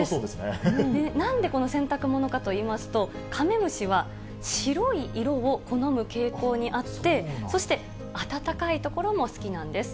なんで洗濯物かといいますと、カメムシは白い色を好む傾向にあって、そして暖かい所も好きなんです。